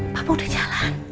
papa udah jalan